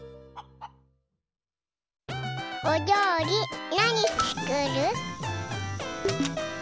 おりょうりなにつくる？